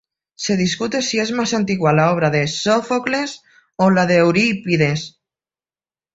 Se discute si es más antigua la obra de Sófocles o la de Eurípides.